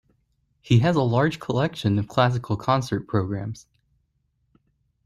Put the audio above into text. He has a large collection of classical concert programmes